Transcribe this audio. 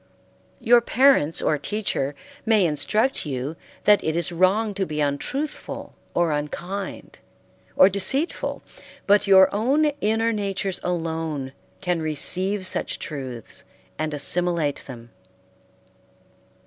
Your parents or teacher may instruct you that it is wrong to be untruthful or unkind or deceitful, but your own inner natures alone can receive such truths and assimilate them.